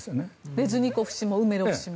レズニコフ氏もウメロフ氏も。